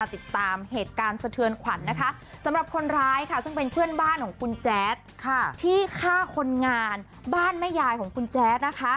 ติดตามเหตุการณ์สะเทือนขวัญนะคะสำหรับคนร้ายค่ะซึ่งเป็นเพื่อนบ้านของคุณแจ๊ดที่ฆ่าคนงานบ้านแม่ยายของคุณแจ๊ดนะคะ